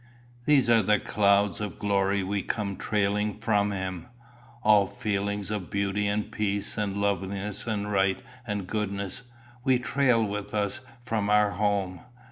These are the clouds of glory we come trailing from him. All feelings of beauty and peace and loveliness and right and goodness, we trail with us from our home.